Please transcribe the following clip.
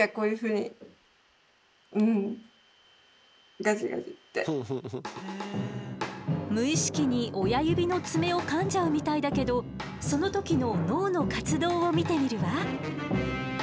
いやそれは無意識に親指の爪をかんじゃうみたいだけどその時の脳の活動を見てみるわ。